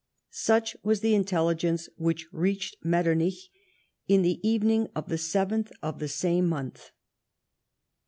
Such was the intelligence which reached Metternich on the evening of the 7th of the same month.